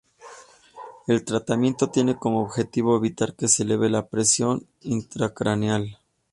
El tratamiento tiene como objetivo evitar que se eleve la presión intracraneal.